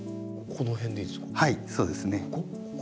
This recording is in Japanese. この辺でいいですか？